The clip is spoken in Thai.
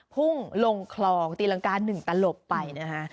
พุ่งลงคลองติลังกาหนึ่งตะลบไปนะฮะ